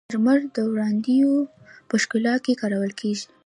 مرمر د ودانیو په ښکلا کې کارول کیږي.